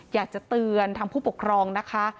อยากเตือนผู้ปกครองนะคะ